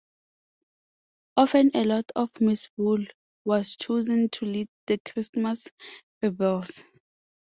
Often a Lord of Misrule was chosen to lead the Christmas revels.